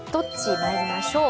まいりましょう。